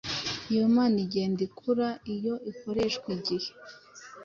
Iyo mpano igenda ikura iyo ikoreshwa igihe